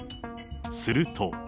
すると。